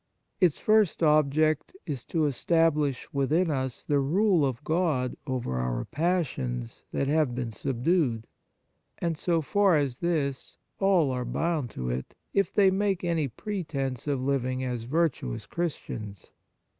Its first object is to establish within us the rule of God over our passions that have been subdued ; and so far as this all are bound to it, if they make any pretence of living as virtuous Christians.